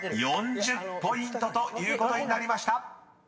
［４０ポイントということになりました］